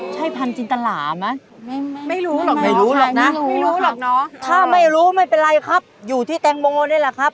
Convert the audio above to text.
จินตลาผูลลาฟ